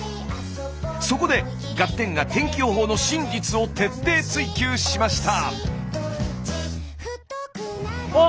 そこで「ガッテン！」が天気予報の真実を徹底追求しました！